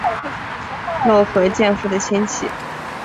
落合建夫的亲戚。